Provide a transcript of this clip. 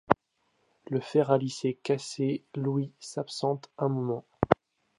Le fer à lissé cassé, Louis s'absente un moment.